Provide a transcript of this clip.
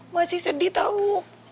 masih sedih tau